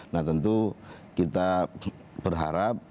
nah tentu kita berharap